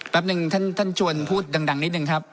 แป๊บหนึ่งท่านชวนพูดดังนิดนึงครับ